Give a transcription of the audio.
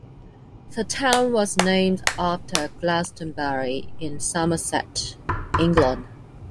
The town was named after Glastonbury in Somerset, England.